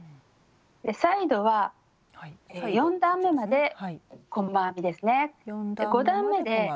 サイドは４段めまで細編みですね。